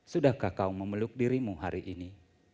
sudahkah kau memeluk dirimu hari ini